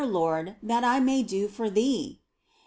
Lord, that I may do for Thee